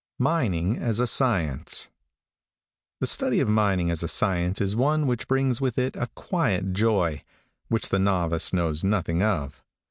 MINING AS A SCIENCE |THE study of mining as a science is one which brings with it a quiet joy, which the novice knows nothing of.